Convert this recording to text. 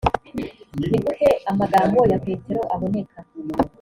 ni gute amagambo ya petero aboneka